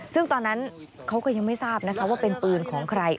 ซึ่งตอนนั้นเขาก็ยังไม่ทราบนะคะว่าเป็นปืนของใคร